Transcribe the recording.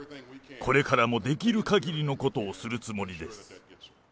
これからもできるかぎりのことをするつもりです。